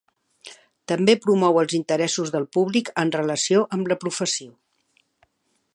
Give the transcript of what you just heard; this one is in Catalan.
També promou els interessos del públic en relació amb la professió.